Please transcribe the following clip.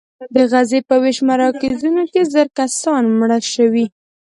د غزې په ویش مراکزو کې زر کسان مړه شوي.